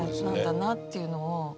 なんだなっていうのを。